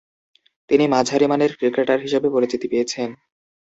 তিনি মাঝারিমানের ক্রিকেটার হিসেবে পরিচিতি পেয়েছেন।